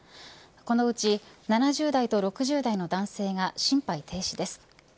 このうち、７０代と６０代の男性が心肺停止です。